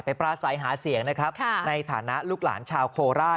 ปราศัยหาเสียงนะครับในฐานะลูกหลานชาวโคราช